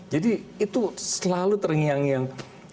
jadi itu selalu terngiang ngiang